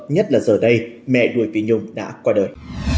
nhất là giờ đây mẹ nuôi phi nhung đã qua đời